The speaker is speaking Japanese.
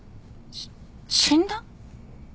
し死んだ？